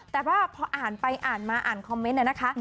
แต่ว่าพออ่านไปอ่านมาอ่านคอมเมนต์นะคะ